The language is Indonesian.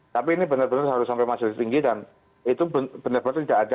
tapi ini benar benar harus sampai majelis tinggi dan itu benar benar tidak ada